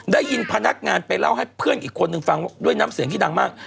ได้ยินพนักงานไปเล่าให้เพื่อนอีกคนนึงฟังด้วยน้ำเสียงที่ดังมาก